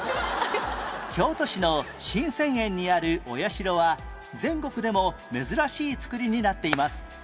京都市の神泉苑にあるお社は全国でも珍しい造りになっています